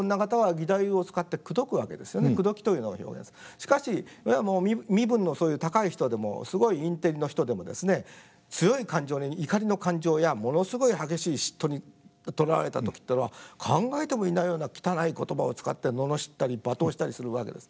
しかし身分のそういう高い人でもすごいインテリの人でもですね強い感情に怒りの感情やものすごい激しい嫉妬にとらわれた時っていうのは考えてもいないような汚い言葉を使って罵ったり罵倒したりするわけです。